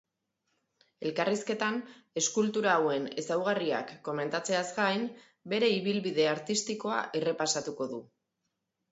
Elkarrizketan, eskultura hauen ezaugarriak komentatzeaz gain, bere ibilbide artistikoa errepasatuko du.